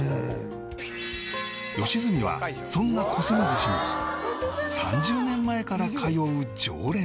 良純はそんな小杉寿しに３０年前から通う常連さん